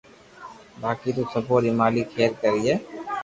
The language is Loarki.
باقي تو سبو ري مالڪ کير ڪري